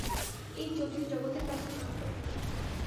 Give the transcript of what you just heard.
এই জটিল জগতে তার স্থান কোথায়?